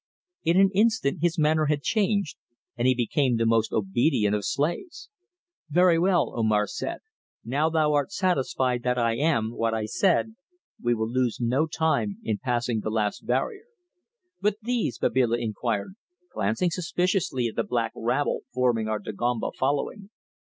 In an instant his manner had changed, and he became the most obedient of slaves. "Very well," Omar said. "Now thou art satisfied that I am what I said we will lose no time in passing the last barrier." "But these?" Babila inquired, glancing suspiciously at the black rabble forming our Dagomba following.